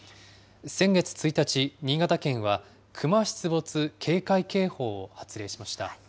先月１日、新潟県はクマ出没警戒警報を発令しました。